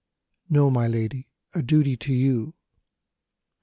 "No, my lady; a duty to you."